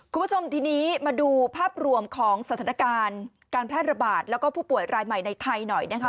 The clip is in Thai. คุณผู้ชมทีนี้มาดูภาพรวมของสถานการณ์การแพร่ระบาดแล้วก็ผู้ป่วยรายใหม่ในไทยหน่อยนะคะ